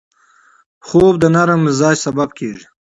خوب د نرم مزاج سبب کېږي